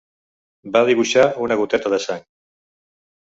Va dibuixar una goteta de sang.